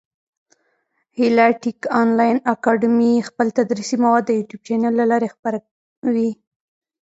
هیله ټېک انلاین اکاډمي خپل تدریسي مواد د يوټیوب چېنل له لاري خپره وي.